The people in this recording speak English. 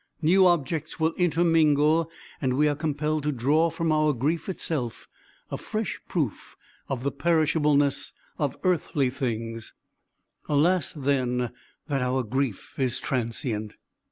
New objects will intermingle, and we are compelled to draw from our grief itself a fresh proof of the perishableness of earthly things: alas, then, that our grief is transient!